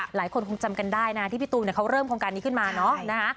หลายคนคงจำกันได้นะที่พี่ตูนเขาเริ่มโครงการนี้ขึ้นมาเนาะนะคะ